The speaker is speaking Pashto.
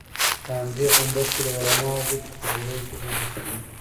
په همدې غومبر کې د علماوو ګوتې په غوړو کې ډوبې شوې.